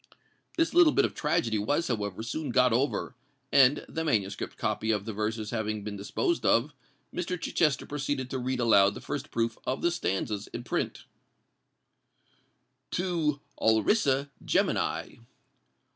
This little bit of tragedy was, however, soon got over; and, the manuscript copy of the verses having been disposed of, Mr. Chichester proceeded to read aloud the first proof of the stanzas in print:— TO ALRISSA GEMINI.